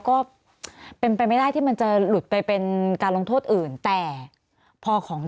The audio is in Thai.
ก็เป็นไปไม่ได้ที่มันจะหลุดไปเป็นการลงโทษอื่นแต่พอของ